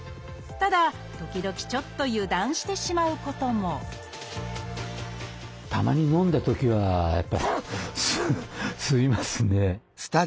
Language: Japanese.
ただ時々ちょっと油断してしまうこともたまに飲んだときはやっぱり吸いますね。